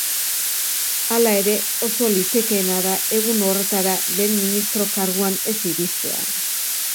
Hala ere, oso litekeena da egun horretara lehen ministro karguan ez iristea.